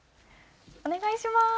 お願いします！